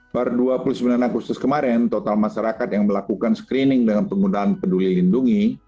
per dua puluh sembilan agustus kemarin total masyarakat yang melakukan screening dengan penggunaan peduli lindungi